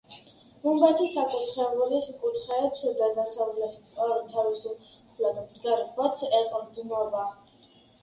გუმბათი საკურთხევლის კუთხეებს და დასავლეთის ორ თავისუფლად მდგარ ბოძს ეყრდნობა.